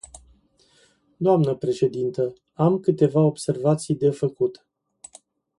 Dnă președintă, am câteva observații de făcut.